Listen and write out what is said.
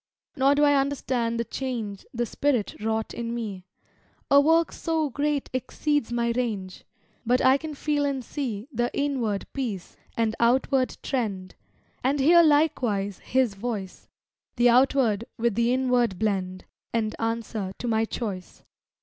Nor do I understand the change The spirit wrought in me; A work so great exceeds my range, But I can feel and see The inward peace, and outward trend, And hear likewise His voice, The outward with the inward blend, And answer to my choice.